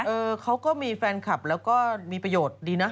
เออเขาก็มีแฟนคลับแล้วก็มีประโยชน์ดีนะ